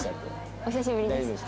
お久しぶりです。